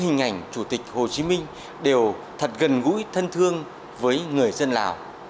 hình ảnh chủ tịch hồ chí minh đều thật gần gũi thân thương với người dân lào